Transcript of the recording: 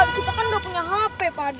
kita kan udah punya hp pak